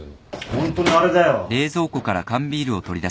ホントにあれだよ。